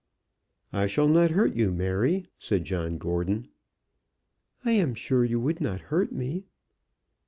"I shall not hurt you, Mary," said John Gordon. "I am sure you would not hurt me."